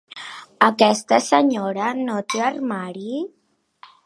Aquesta senyora no té armari?